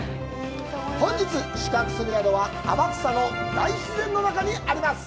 本日宿泊する宿は天草の大自然の中にあるんです。